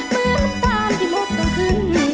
เมืองตาลที่หมดต้องขึ้น